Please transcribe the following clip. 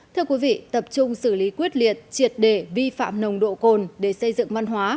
thưa quý vị tập trung xử lý quyết liệt triệt để vi phạm nồng độ cồn để xây dựng văn hóa